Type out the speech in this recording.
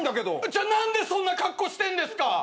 じゃあ何でそんな格好してんですか。